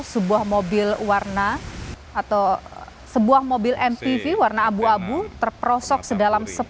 sebuah mobil warna atau sebuah mobil mpv warna abu abu terperosok sedalam